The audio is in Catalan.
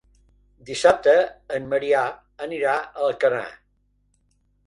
Dissabte en Maria anirà a Alcanar.